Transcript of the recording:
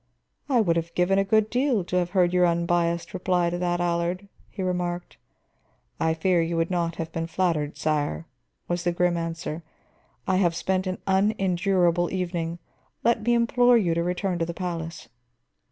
"I would have given a good deal to have heard your unbiased reply to that, Allard," he remarked. "I fear you would not have been flattered, sire," was the grim answer. "I have spent an unendurable evening. Let me implore you to return to the palace."